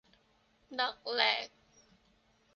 ดักแหลก